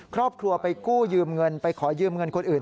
ครอบครัวไปกู้ยืมเงินไปขอยืมเงินคนอื่น